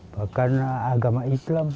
bahkan agama islam